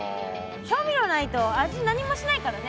調味料ないと味何もしないからね。